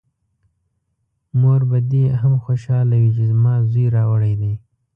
مور به دې هم خوشحاله وي چې ما زوی راوړی دی!